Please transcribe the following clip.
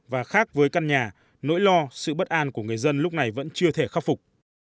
và khác với căn nhà nỗi lo sự bất an của người dân lúc này vẫn chưa thể khắc phục